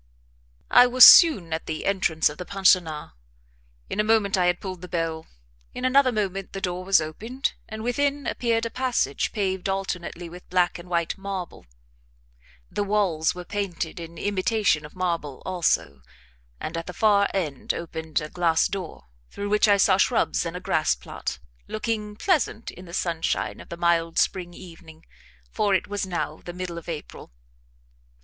I was soon at the entrance of the pensionnat, in a moment I had pulled the bell; in another moment the door was opened, and within appeared a passage paved alternately with black and white marble; the walls were painted in imitation of marble also; and at the far end opened a glass door, through which I saw shrubs and a grass plat, looking pleasant in the sunshine of the mild spring evening for it was now the middle of April.